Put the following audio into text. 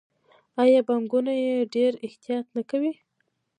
آیا بانکونه یې ډیر احتیاط نه کوي؟